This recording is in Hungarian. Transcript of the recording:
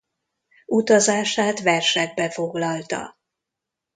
Utazását versekbe foglalta.